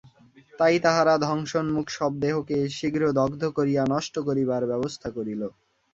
তাই তাহারা ধ্বংসোন্মুখ শবদেহকে শীঘ্র দগ্ধ করিয়া নষ্ট করিবার ব্যবস্থা করিল।